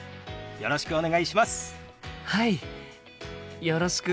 よろしくお願いします。